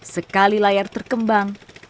sekali layar terkembang